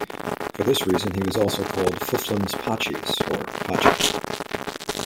For this reason he was also called Fufluns Pachies or Pacha.